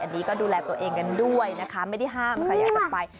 อันนี้ก็ดูแลตัวเองกันด้วยนะคะไม่ได้ห้ามใครอยากจะไป